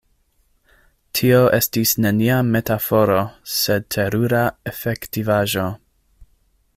Tio estis nenia metaforo, sed terura efektivaĵo.